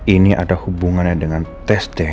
ini ada hubungannya dengan tes dna rina